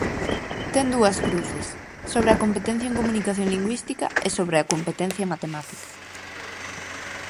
Ten dúas cruces: sobre a competencia en comunicación lingüística e sobre a competencia matemática.